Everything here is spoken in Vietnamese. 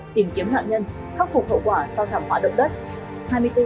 tìm kiếm nạn nhân khắc phục hậu quả sau thảm họa động đất